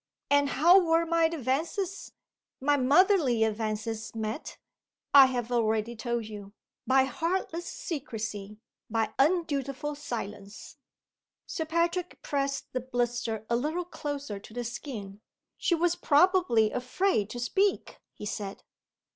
And how were my advances my motherly advances met? I have already told you. By heartless secrecy. By undutiful silence." Sir Patrick pressed the blister a little closer to the skin. "She was probably afraid to speak," he said.